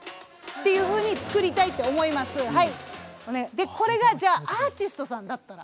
でこれがじゃあアーティストさんだったら。